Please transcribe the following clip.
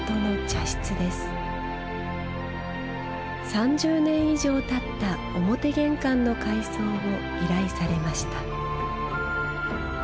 ３０年以上たった表玄関の改装を依頼されました。